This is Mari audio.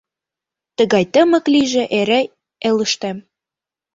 Тыгай тымык лийже эре элыштем.